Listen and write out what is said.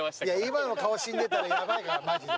今の顔死んでたらヤバいなマジで。